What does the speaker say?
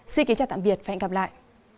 xin kính chào tạm biệt và hẹn gặp lại